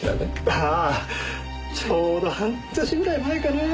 ああちょうど半年ぐらい前かな。